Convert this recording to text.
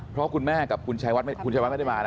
เพราะคุณแม่กับคุณชายวัดไม่ได้มานะ